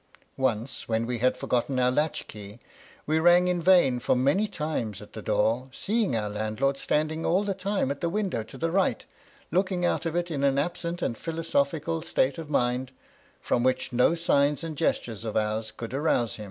Once when we had for gotten our latch key we rang in vain for many times at the door, seeing our landlord standing all the time at the window to the right, looking out of it in an absent and philosophical state of mind, from which no signs and gestures of ours could arouse him.